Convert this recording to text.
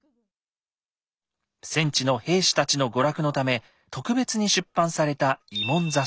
戦地の兵士たちの娯楽のため特別に出版された「慰問雑誌」。